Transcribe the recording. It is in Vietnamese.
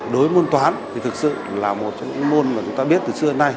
đối với môn toán thì thực sự là một trong những môn mà chúng ta biết từ xưa đến nay